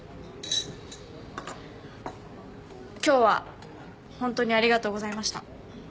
今日はホントにありがとうございました。